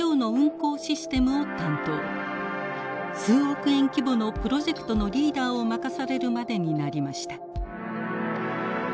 数億円規模のプロジェクトのリーダーを任されるまでになりました。